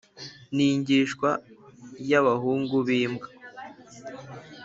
ni njyishywa ya bahungu bimbwa